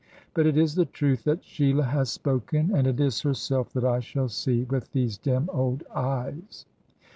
But it is the truth that Sheila has spoken, and it is herself that I shall see, with these dim old eyes."